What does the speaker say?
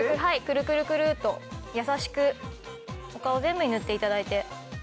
くるくるくるっと優しくお顔全部に塗って頂いて。